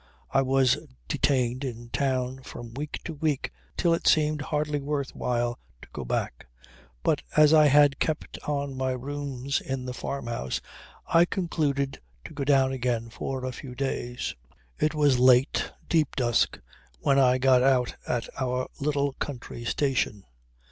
I was detained in town from week to week till it seemed hardly worth while to go back. But as I had kept on my rooms in the farmhouse I concluded to go down again for a few days. It was late, deep dusk, when I got out at our little country station.